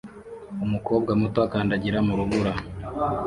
umukobwa muto akandagira mu rubura